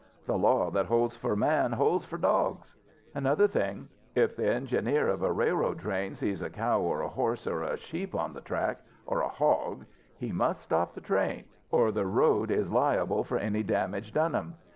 The law that holds for man holds for dogs. "Another thing: If the engineer of a railroad train sees a cow or a horse or a sheep on the track, or a hog, he must stop the train or the road is liable for any damage done 'em.